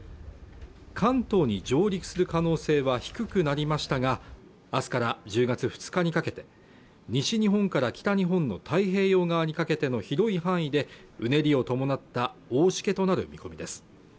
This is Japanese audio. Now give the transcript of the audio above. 関東に上陸する可能性は低くなりましたが明日から１０月２日にかけて西日本から北日本の太平洋側にかけての広い範囲でうねりを伴った大しけとなる見込みです